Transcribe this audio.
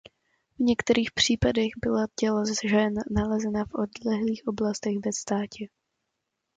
V některých případech byla těla žen nalezena v odlehlých oblastech ve státě.